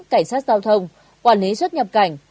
cảnh sát giao thông quản lý xuất nhập cảnh